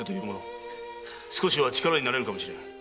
少しは力になれるかもしれん。